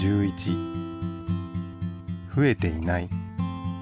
ふえていない。